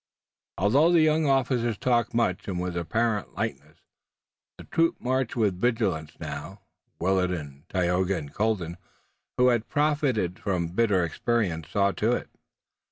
Although the young officers talked much and with apparent lightness, the troop marched with vigilance now. Willet and Tayoga, and Colden, who had profited by bitter experience, saw to it.